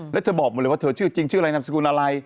แล้วเธอบอกมาเลยว่าเธอชื่อจริงชื่ออะไรนามสกุลอะไร